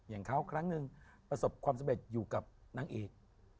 อย่างเขาครั้งหนึ่งประสบความสำเร็จอยู่กับนางเอก